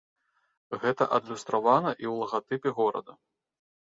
Гэта адлюстравана і ў лагатыпе горада.